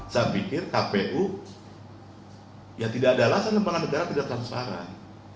saya pikir kpu tidak adalah sana karena negara tidak transparan